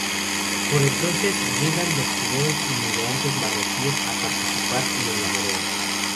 Por entonces llegan los primeros inmigrantes marroquíes a participar en el laboreo.